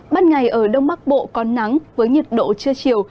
bắt ngày ở đông bắc bộ có nắng với nhiệt độ trưa chiều